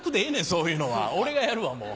そういうのは俺がやるわもう。